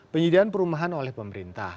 penyediaan perumahan oleh pemerintah